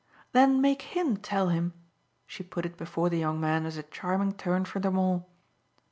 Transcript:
"Then make HIM tell him" she put it before the young man as a charming turn for them all.